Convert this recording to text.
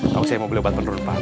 tau saya mau beli obat penurun panas